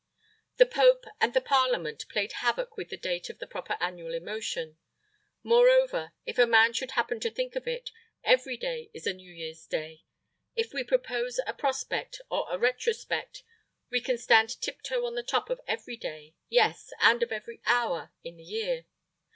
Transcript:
The Pope and the Parliament played havoc with the date of the proper annual emotion. Moreover, if a man should happen to think of it, every day is a new year's day. If we propose a prospect or a retrospect we can stand tiptoe on the top of every day, yes, and of every hour, in the year.